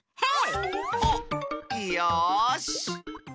よし。